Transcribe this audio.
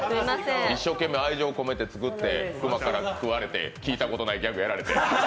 一生懸命愛情込めて作ってくまから食われて、聞いたことのないギャグやられて。